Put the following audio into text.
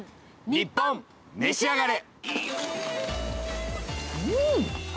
『ニッポンめしあがれ』。